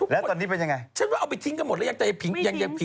แล้วตอนนี้เป็นยังไง